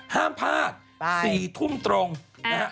ห้ามพลาด๔ทุ่มตรงนะฮะ